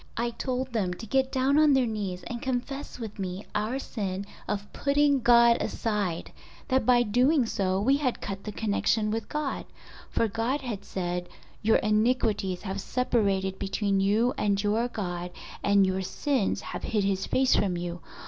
I told them to get down on their knees and confess with me our sin of putting God aside, that by doing so we had cut the connection with God, for God had said, 'Your iniquities have separated between you and your God and your sins have hid His face from you.